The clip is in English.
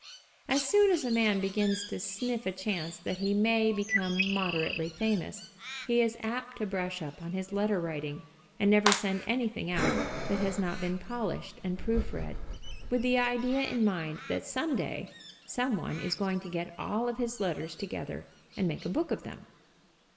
As soon as a man begins to sniff a chance that he may become moderately famous he is apt to brush up on his letter writing and never send anything out that has not been polished and proof read, with the idea in mind that some day some one is going to get all of his letters together and make a book of them.